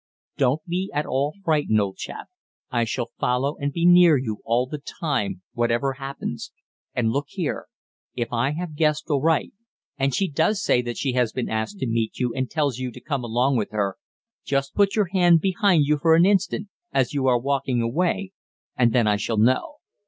Don't be at all frightened, old chap; I shall follow, and be near you all the time, whatever happens. And look here, if I have guessed aright, and she does say that she has been asked to meet you and tells you to come along with her, just put your hand behind you for an instant, as you are walking away, and then I shall know."